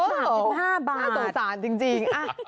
ขอโทษครับจิ้มห้าบาทขอโทษครับจริง